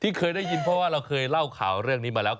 เคยได้ยินเพราะว่าเราเคยเล่าข่าวเรื่องนี้มาแล้ว